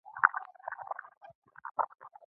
د وطن تولید ته سپک کتل بد دي.